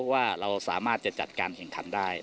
ว่าเราสามารถจะจัดการแข่งขันได้